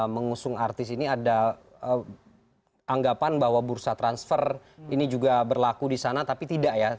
mengusung artis ini ada anggapan bahwa bursa transfer ini juga berlaku di sana tapi tidak ya